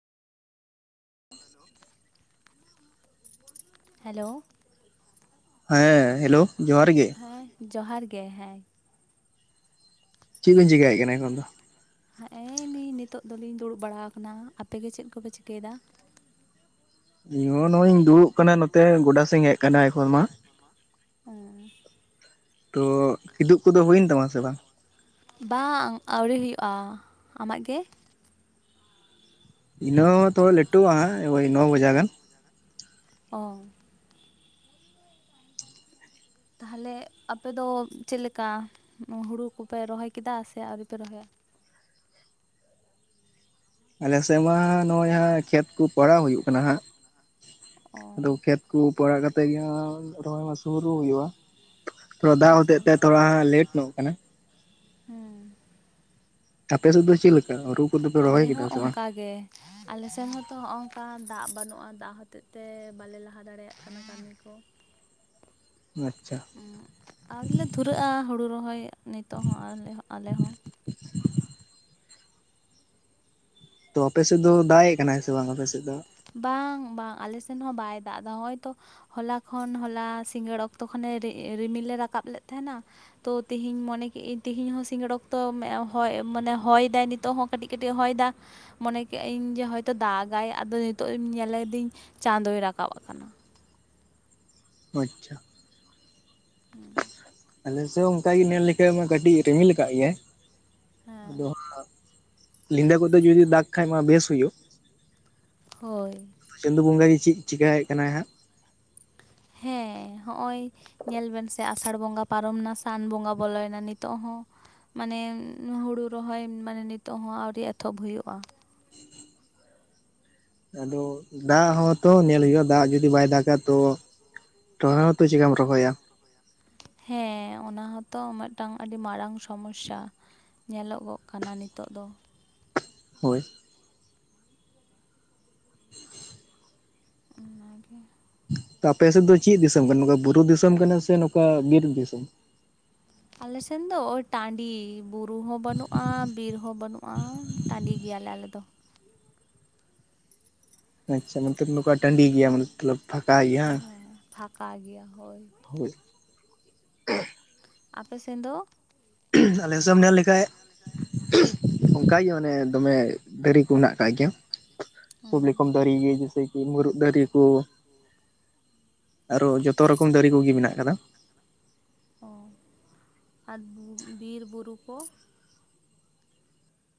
Hello ᱦᱮᱸ hello ᱡᱚᱦᱟᱨ ᱜᱮ᱾ ᱦᱮᱸ ᱡᱚᱦᱟᱨ ᱜᱮ ᱦᱮᱸ᱾ ᱵᱤᱱ ᱪᱮᱠᱟᱭᱮᱫ ᱪᱮᱫ ᱮᱢ ᱠᱟᱱᱟ ᱮᱠᱷᱚᱱ ᱫᱚ? ᱪᱮᱠᱟᱭᱟ [unintelligible] ᱦᱮᱸ ᱮᱞᱤᱤᱧ ᱱᱤᱛᱚᱜᱜ ᱫᱚᱞᱤᱧ ᱫᱩᱲᱩᱵ ᱵᱟᱲᱟ ᱟᱠᱟᱱᱟ᱾ ᱟᱯᱮᱜ ᱜᱮ ᱪᱮᱫ ᱠᱚᱯᱮ ᱪᱤᱠᱟᱹᱭᱮᱫᱟ? ᱤᱧᱦ ᱱᱚᱜ ᱤᱧ ᱫᱩᱲᱩᱵ ᱟᱠᱟᱱᱟ ᱱᱚᱛᱮ ᱜᱚᱰᱟ ᱥᱮᱧ ᱦᱮᱡ ᱟᱠᱟᱱᱟ ᱮᱠᱷᱚᱱ ᱢᱟ᱾ ᱦᱚᱸ ᱛᱚ ᱠᱤᱫᱩᱵ ᱠᱚᱫᱚ ᱦᱩᱭᱮᱱ ᱛᱟᱢᱟ ᱥᱮ ᱵᱟᱝ? ᱵᱟᱝ ᱟᱹᱣᱨᱤ ᱦᱩᱭᱩᱜᱼᱟ᱾ ᱟᱢᱟᱜ ᱜᱮ? ᱤᱱᱟᱹ ᱦᱚᱸ ᱛᱷᱚᱲᱟ ᱞᱟᱹᱴᱩᱜᱼᱟ ᱦᱟᱸᱜ ᱳᱭ ᱱᱚ ᱵᱟᱡᱟᱜ ᱜᱟᱱ᱾ ᱚ ᱛᱟᱦᱚᱞᱮ ᱟᱯᱮ ᱫᱚ ᱪᱮᱫ ᱞᱮᱠᱟ ᱦᱩᱲᱩ ᱠᱚᱯᱮ ᱨᱚᱦᱚᱭ ᱠᱮᱫᱟ ᱥᱮ ᱟᱹᱣᱨᱤᱯᱮ ᱨᱚᱦᱚᱭᱟ? ᱟᱞᱮᱥᱮᱫ ᱢᱟ ᱱᱚᱜᱼᱚᱭ ᱡᱟᱦᱟᱸ ᱠᱷᱮᱛ ᱮᱛ ᱠᱚ ᱯᱨᱟᱣ ᱦᱩᱭᱩᱜ ᱠᱟᱱᱟ ᱦᱟᱸᱜ, ᱚ ᱟᱫᱚ ᱠᱷᱮᱛ ᱠᱚ ᱯᱟᱲᱟᱣ ᱠᱟᱛᱮ ᱛᱮᱜᱮ ᱨᱚᱦᱚᱭ ᱢᱟᱟᱥ ᱦᱩᱨᱩ ᱦᱩᱭᱩᱜᱼᱟ ᱛᱷᱚᱲ ᱫᱟᱜ ᱟᱪᱪᱷᱟ ᱦᱚᱛᱮᱡ ᱛᱮ ᱛᱷᱚᱲᱟ ᱞᱮᱴ ᱧᱚᱜ ᱟᱠᱟᱱᱟ᱾ ᱦᱮᱸ ᱟᱯᱮ ᱥᱩᱫ ᱪᱮ ᱟᱞᱮ ᱦᱚᱸ ᱚᱱᱠᱟ ᱜᱮ ᱟᱞᱮ ᱥᱮᱱ ᱦᱚᱸᱛᱚ ᱱᱚᱜ ᱱᱚᱝᱠᱟ ᱫᱟᱜ ᱵᱟᱹᱱᱩᱜᱼᱟ ᱫᱟᱜ ᱦᱚᱛᱮᱡ ᱛᱮ ᱵᱟᱞᱮ ᱞᱟᱦᱟ ᱫᱟᱲᱮᱭᱟᱜ ᱠᱟᱱᱟ ᱠᱟᱹᱢᱤ ᱠᱚ᱾ ᱟᱪᱪᱷᱟ ᱟᱨᱞᱮ ᱫᱷᱩᱨᱟᱹᱜᱼᱟ ᱦᱳᱲᱩ ᱨᱚᱦᱚᱭ ᱱᱤᱛᱚᱜ ᱦᱚᱸᱞᱮ ᱟᱞᱮ ᱦᱚᱸ ᱛᱚ ᱟᱯᱮᱥᱮᱫ ᱫᱚ ᱫᱟᱜᱜ ᱠᱟᱱᱟᱭ ᱥᱮ ᱵᱟᱝ ᱟᱯᱮᱥᱮᱫ ᱫᱚ? ᱵᱟᱝ ᱵᱟᱝ ᱟᱞᱮ ᱥᱮᱱ ᱦᱚᱸ ᱵᱟᱭ ᱫᱟᱜ ᱮᱫᱟ ᱦᱚᱜᱼᱚᱭ ᱛᱚ ᱦᱚᱞᱟ ᱠᱷᱚᱱ ᱦᱚᱞᱟ ᱥᱤᱸᱜᱟᱹᱲ ᱚᱠᱛᱚ ᱠᱷᱚᱱᱮ ᱨᱤᱢᱤᱞᱮ ᱨᱟᱠᱟᱵ ᱞᱮᱫ ᱛᱟᱦᱮᱱᱟ᱾ ᱛᱚ ᱛᱤᱦᱤᱧ ᱢᱚᱱᱮ ᱠᱮᱫᱟᱹᱧ ᱛᱤᱦᱤᱧ ᱦᱚᱸ ᱥᱤᱸᱜᱟᱲ ᱚᱠᱛᱚ ᱦᱚ ᱢᱟᱱᱮ ᱦᱚᱭ ᱫᱟᱭ ᱱᱤᱛᱚᱜ ᱦᱚᱸ ᱠᱟᱹᱴᱤᱡ ᱠᱟᱹᱴᱤᱡ ᱦᱚᱭ ᱫᱟᱭ ᱫᱟ᱾ ᱢᱚᱱᱮ ᱠᱮᱜᱼᱟᱹᱧ ᱡᱮ ᱦᱳᱭᱛᱳ ᱫᱟᱜᱟᱭ ᱟᱫᱚ ᱱᱤᱛᱳᱜ ᱧᱮᱞᱤᱫᱟᱹᱧ ᱪᱟᱸᱫᱚᱭ ᱨᱟᱠᱟᱵ ᱟᱠᱟᱱᱟ᱾ ᱟᱪᱪᱷᱟ ᱦᱮᱸ [unintelligible] ᱟᱞᱮᱮᱥ ᱚᱱᱠᱟᱜᱮ ᱧᱮᱞ ᱞᱮᱠᱷᱷᱟᱡ ᱢᱟ ᱠᱟᱹᱴᱤᱡ ᱨᱤᱢᱤᱞ ᱟᱠᱟᱫ ᱜᱮᱭᱟᱭ ᱦᱮᱸ ᱟᱫᱚ ᱧᱸᱤᱫᱟᱹ ᱠᱚᱛᱮ ᱡᱩᱫᱤ ᱫᱟᱜᱽ ᱠᱷᱟᱡ ᱢᱟ ᱵᱮᱥ ᱦᱩᱭᱩᱜ᱾ ᱦᱳᱭ ᱪᱟᱸᱫᱩ ᱵᱚᱸᱜᱟ ᱜᱮᱮ ᱪᱮᱫ ᱪᱤᱠᱟᱹᱭᱮᱫ ᱠᱟᱱᱟᱭ ᱦᱟᱸᱜ᱾ ᱦᱮᱸ ᱦᱚᱜᱼᱚᱭ ᱧᱮᱞ ᱵᱮᱱ ᱥᱮ ᱟᱥᱟᱲ ᱵᱚᱸᱜᱟ ᱯᱟᱨᱚᱢᱱᱟ ᱥᱟᱱ ᱵᱚᱸᱜᱟ ᱵᱚᱞᱚᱭᱮᱱᱟ ᱱᱤᱛᱚᱜ ᱦᱚᱸ ᱢᱟᱱᱮ ᱦᱩᱲᱩ ᱨᱚᱦᱚᱭ ᱢᱟᱱᱮ ᱱᱤᱛᱚᱜ ᱦᱚᱸ ᱟᱹᱣᱨᱤ ᱮᱛᱚᱦᱚᱵ ᱦᱩᱭᱩᱜᱼᱟ᱾ ᱟᱫᱚ ᱫᱟᱜ ᱦᱚᱸᱛᱚ ᱧᱮᱞ ᱦᱩᱭᱩᱜᱼᱟ ᱫᱟᱜ ᱡᱩᱫᱤ ᱵᱟᱭ ᱫᱟᱜᱟ᱾ ᱛᱚ ᱨᱚᱦᱚᱭ ᱦᱚᱸᱛᱚ ᱪᱮᱠᱟᱢ ᱨᱚᱦᱚᱭᱟ᱾ ᱦᱮᱸ ᱚᱱᱟ ᱦᱚᱸᱛᱚ ᱢᱤᱫᱴᱟᱝ ᱟᱹᱰᱤ ᱢᱟᱨᱟᱝ ᱥᱚᱢᱚᱥᱥᱟ᱾ ᱧᱮᱞᱚᱜᱚᱜ ᱠᱟᱱᱟ ᱱᱤᱛᱚᱜ ᱫᱚ᱾ ᱦᱳᱭ [inaudible] ᱚᱱᱟᱜᱮ ᱛᱚ ᱟᱯᱮ ᱥᱮᱫ ᱫᱚ ᱪᱮᱫ ᱫᱤᱥᱚᱢ ᱠᱟᱱᱟ, ᱱᱚᱝᱠᱟ ᱵᱩᱨᱩ ᱫᱤᱥᱚᱢ ᱠᱟᱱᱟ ᱥᱮ ᱱᱚᱝᱠᱟ ᱵᱤᱨ ᱫᱤᱥᱚᱢ᱾ ᱟᱞᱮᱥᱮᱱ ᱫᱚ ᱳ ᱴᱟᱺᱰᱤ ᱵᱩᱨ ᱨᱩ ᱦᱚᱸ ᱵᱟᱹᱱᱩᱜᱼᱟ, ᱵᱤᱨ ᱦᱚᱸ ᱵᱟᱹᱱᱩᱜᱼᱟ, ᱴᱟᱺᱰᱤ ᱜᱮᱭᱟᱞᱮ ᱟᱞᱮ ᱫᱚ᱾ ᱟᱪᱪᱷᱟ ᱱᱚᱱᱛᱮ ᱱᱚᱝᱠᱟ ᱴᱟᱺᱰᱤ ᱜᱮᱭᱟ ᱢᱚᱛᱞᱚᱵ ᱯᱷᱟᱸᱠᱟ ᱜᱮᱭᱟ ᱵᱟᱝ᱾ ᱯᱷᱟᱠᱟ ᱜᱮᱭᱟ ᱦᱳᱭ᱾ ᱦᱳᱭ ᱟᱯᱮ ᱥᱮᱱ ᱫᱚ? ᱟᱞᱮ ᱥᱮᱢ ᱧᱮᱞ ᱞᱮᱠᱷᱟᱡ, ᱚᱱᱠᱟᱜᱮ ᱚᱱᱮ ᱫᱚᱢᱮ ᱫᱟᱨᱤ ᱠᱩ ᱢᱮᱱᱟᱜ ᱠᱟᱜ ᱜᱮᱭᱟ, ᱦᱮᱸ ᱠᱷᱩᱵ ᱞᱮᱠᱚᱢ ᱫᱟᱨᱤ ᱜᱤ ᱡᱮᱥᱮ ᱠᱤ ᱢᱩᱨᱩᱫ ᱫᱟᱨᱤ ᱠᱚ᱾ ᱟᱨᱚ ᱡᱚᱛᱚ ᱨᱚᱠᱚᱢ ᱫᱟᱨᱤ ᱠᱚᱜᱤ ᱢᱮᱱᱟᱜ ᱠᱟᱫᱟ᱾ ᱚ ᱟᱨ ᱵᱤᱨ ᱵᱩᱨᱩ ᱠᱚ᱾